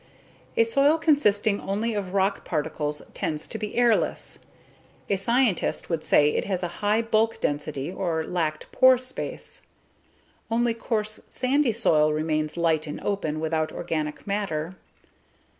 A soil consisting only of rock particles tends to be airless. A scientist would say it had a high bulk density or lacked pore space. Only coarse sandy soil remains light and open without organic matter.